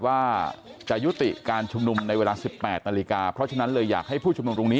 ว่าจะยุติการชุมนุมในเวลา๑๘นาฬิกาเพราะฉะนั้นเลยอยากให้ผู้ชุมนุมตรงนี้